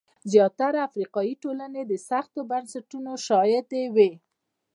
زیاتره افریقایي ټولنې د سختو بنسټونو شاهدې وې.